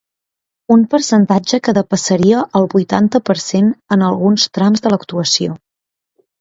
Un percentatge que depassaria el vuitanta per cent en alguns trams de l’actuació.